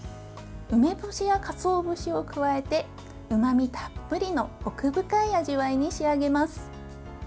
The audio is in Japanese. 梅干しや、かつお節を加えてうまみたっぷりの奥深い味わいに仕上げます。